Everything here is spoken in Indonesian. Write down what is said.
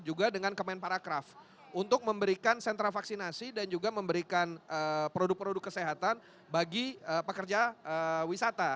juga dengan kemenparacraf untuk memberikan sentra vaksinasi dan juga memberikan produk produk kesehatan bagi pekerja wisata